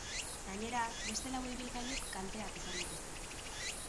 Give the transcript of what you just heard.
Gainera, beste lau ibilgailuk kalteak izan dituzte.